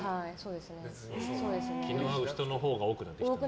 気の合う人のほうが多くなってきたんだ。